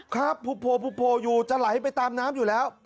ครับโผล่อยู่จะไหลไปตามน้ำอยู่แล้ว